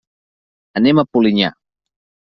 Anem a Polinyà.